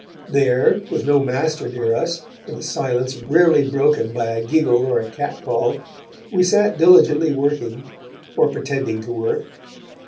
There, with no master near us, in a silence rarely broken by a giggle or a catcall, we sat diligently working, or pretending to work.